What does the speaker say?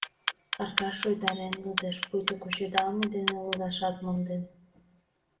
— Аркаш шуйдарен лудеш, пуйто кучедалме дене лудашат монден.